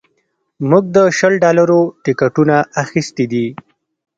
موږ د شل ډالرو ټکټونه اخیستي دي